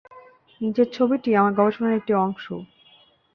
নিচের ছবিটি আমার গবেষণার একটি অংশ।